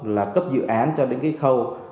là cấp dự án cho đến cái khâu